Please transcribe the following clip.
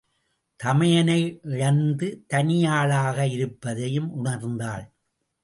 தமையனை இழந்து தனியாளாக இருப்பதையும் உணர்ந்தாள்.